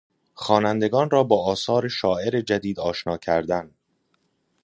خوانندگان را با آثار شاعر جدید آشنا کردن